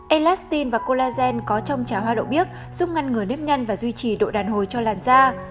elastin và collagen có trong trà hoa đậu biếc giúp ngăn ngừa nếp nhăn và duy trì độ đàn hồi cho làn da